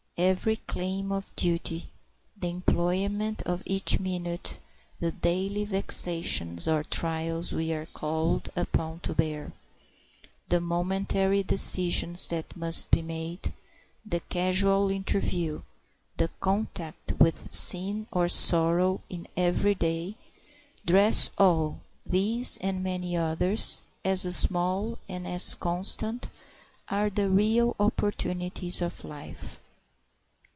Every claim of duty, the employment of each minute, the daily vexations or trials we are called upon to bear, the momentary decisions that must be made, the casual interview, the contact with sin or sorrow in every day dress—all, these and many others as small and as constant, are the real opportunities of life.